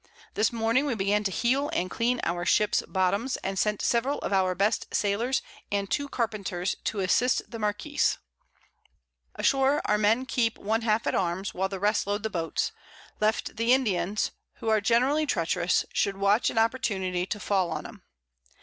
This Morning we began to heel and clean our Ships Bottoms, and sent several of our best Sailors, and two Carpenters, to assist the Marquiss. Ashore our Men keep one half at Arms, while the rest load the Boats, left the Indians, who are generally treacherous, should watch an Opportunity to fall on 'em.